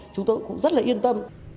chúng tôi cũng rất là yên tâm